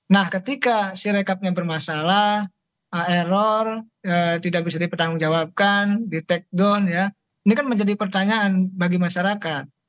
nah ketika si rekapnya bermasalah error tidak bisa dipertanggungjawabkan di take down ya ini kan menjadi pertanyaan bagi masyarakat